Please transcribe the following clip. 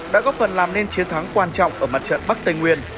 đã góp phần làm nên chiến thắng quan trọng ở mặt trận bắc tây nguyên